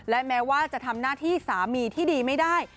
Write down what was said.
และแม้ว่าจะทำหน้าที่สามีที่ดีไม่ได้